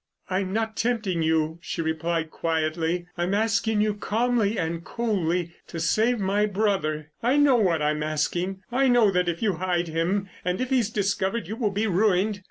"I'm not tempting you," she replied quietly. "I'm asking you calmly and coldly to save my brother. I know what I'm asking. I know that if you hide him and if he's discovered you will be ruined.